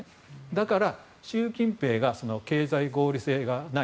だから習近平が経済合理性がない